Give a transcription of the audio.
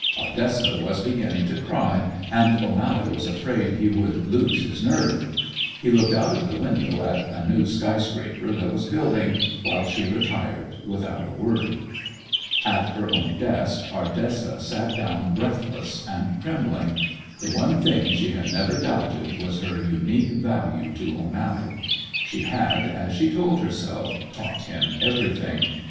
Ardessa was beginning to cry, and O'Mally was afraid he would lose his nerve. He looked out of the window at a new sky scraper that was building, while she retired without a word. At her own desk Ardessa sat down breathless and trembling. The one thing she had never doubted was her unique value to O'Mally. She had, as she told herself, taught him everything.